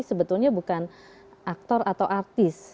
sebetulnya bukan aktor atau artis